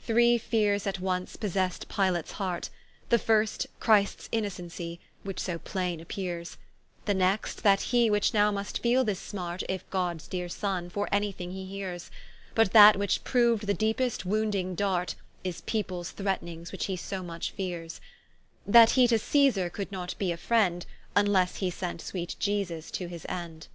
Three feares at once possessed Pilates heart; The first, Christs Innocencie, which so plaine appeares: The next, that he which now must feele this smart, If Gods deare Sonne, for any thing he heares: But that which proou'd the deepest wounding dart, Is peoples threatnings, which he so much feares: That he to Cæ,sar could not be a friend, Vnlesse he sent sweet I E S V S to his end.